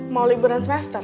mau liburan semester